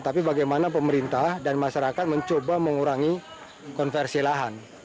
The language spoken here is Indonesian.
tapi bagaimana pemerintah dan masyarakat mencoba mengurangi konversi lahan